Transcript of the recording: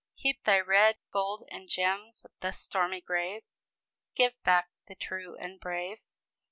Keep thy red gold and gems, thou stormy grave! Give back the true and brave!